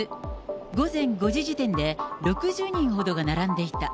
午前５時時点で６０人ほどが並んでいた。